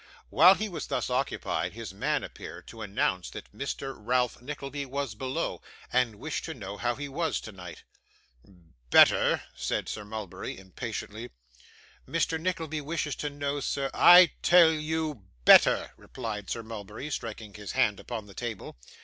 While he was thus occupied, his man appeared, to announce that Mr. Ralph Nickleby was below, and wished to know how he was, tonight. 'Better,' said Sir Mulberry, impatiently. 'Mr. Nickleby wishes to know, sir ' 'I tell you, better,' replied Sir Mulberry, striking his hand upon the table.